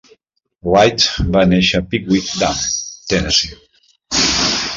Wright va néixer a Pickwick Dam, Tennessee.